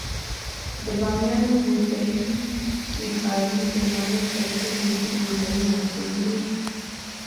د بامیانو بودایي ویهارې د نړۍ تر ټولو لوی بودایي مرکزونه وو